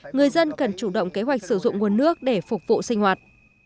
người dân cần chủ động kế hoạch sử dụng nguồn nước để phục vụ sinh hoạt